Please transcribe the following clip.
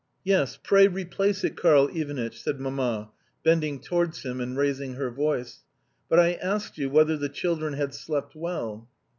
"Yes, pray replace it, Karl Ivanitch," said Mamma, bending towards him and raising her voice, "But I asked you whether the children had slept well?"